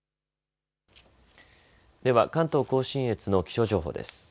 では関東甲信越の気象情報です。